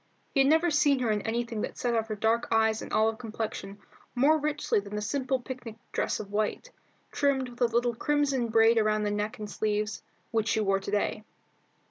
He had never seen her in anything that set off her dark eyes and olive complexion more richly than the simple picnic dress of white, trimmed with a little crimson braid about the neck and sleeves, which she wore to day.